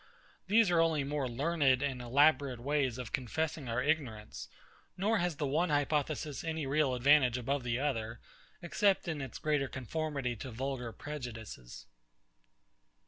These are only more learned and elaborate ways of confessing our ignorance; nor has the one hypothesis any real advantage above the other, except in its greater conformity to vulgar prejudices.